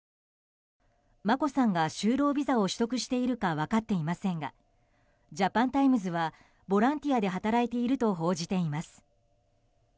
眞子さんが就労ビザを取得しているか分かっていませんがジャパンタイムズはボランティアで働いていると報じています。